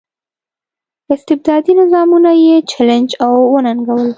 استبدادي نظامونه یې چلنج او وننګول.